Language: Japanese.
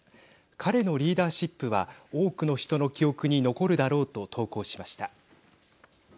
彼のリーダーシップは多くの人の記憶に残るだろうと、投稿しました。